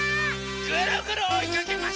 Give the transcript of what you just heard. ぐるぐるおいかけます！